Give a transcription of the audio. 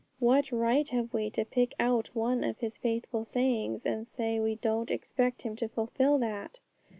What right have we to pick out one of His faithful sayings, and say we don't expect Him to fulfil that?